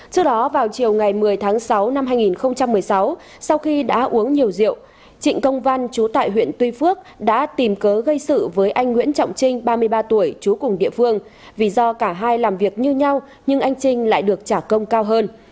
trước đó vào chiều ngày một mươi tháng sáu năm hai nghìn một mươi sáu sau khi đã uống nhiều rượu trịnh công văn chú tại huyện tuy phước đã tìm cớ gây sự với anh nguyễn trọng trinh ba mươi ba tuổi chú cùng địa phương vì do cả hai làm việc như nhau nhưng anh trinh lại được trả công cao hơn